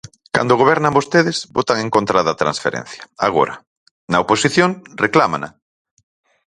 Cando gobernan vostedes, votan en contra da transferencia; agora, na oposición, reclámana.